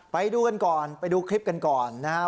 ไปดูกันก่อนไปดูคลิปกันก่อนนะครับ